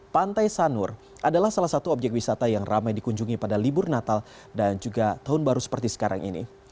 pantai sanur adalah salah satu objek wisata yang ramai dikunjungi pada libur natal dan juga tahun baru seperti sekarang ini